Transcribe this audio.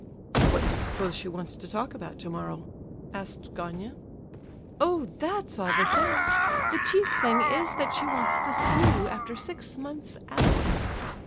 "What do you suppose she wants to talk about tomorrow?" asked Gania. "Oh, that's all the same! The chief thing is that she wants to see you after six months' absence.